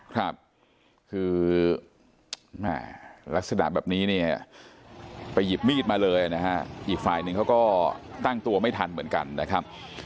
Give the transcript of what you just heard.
ครับคือแม่ลักษณะแบบนี้เนี่ยไปหยิบมีดมาเลยนะฮะอีกฝ่ายหนึ่งเขาก็ตั้งตัวไม่ทันเหมือนกันนะครับ